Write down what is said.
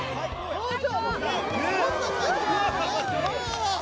表情